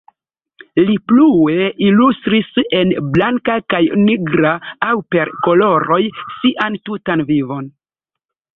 Li plue ilustris en blanka kaj nigra aŭ per koloroj sian tutan vivon.